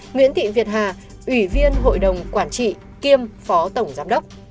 nguyễn thị việt hà ủy viên hội đồng quản trị kiêm phó tổng giám đốc